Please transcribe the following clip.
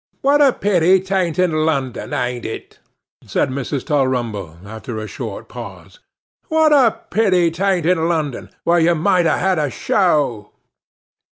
'What a pity 'tan't in London, ain't it?' said Mrs. Tulrumble, after a short pause; 'what a pity 'tan't in London, where you might have had a show.